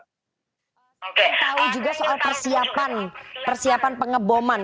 saya tahu juga soal persiapan persiapan pengeboman